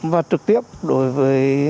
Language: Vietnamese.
và trực tiếp đối với